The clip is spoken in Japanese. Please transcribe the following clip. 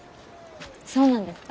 そうなんですか？